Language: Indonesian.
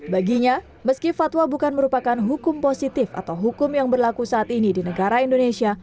baginya meski fatwa bukan merupakan hukum positif atau hukum yang berlaku saat ini di negara indonesia